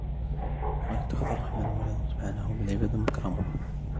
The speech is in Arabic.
وَقَالُوا اتَّخَذَ الرَّحْمَنُ وَلَدًا سُبْحَانَهُ بَلْ عِبَادٌ مُكْرَمُونَ